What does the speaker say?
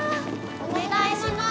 お願いします。